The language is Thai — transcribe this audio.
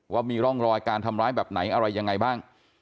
ว่ามีร่องรอยการทำร้ายแบบไหนอะไรยังไงบ้าง